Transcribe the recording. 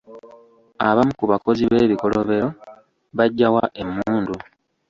Abamu ku bakozi b'ebikolobero baggya wa emmundu?